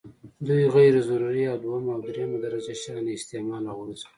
دوی غیر ضروري او دویمه او درېمه درجه شیان له استعماله غورځوي.